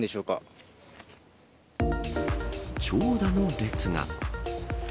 長蛇の列が。